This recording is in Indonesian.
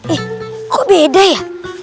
eh kok beda ya